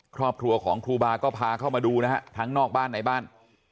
ครอบครัวของครูบาก็พาเข้ามาดูนะฮะทั้งนอกบ้านในบ้าน